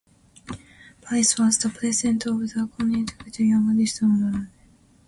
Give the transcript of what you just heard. Paris was the president of the Connecticut Young Democrats.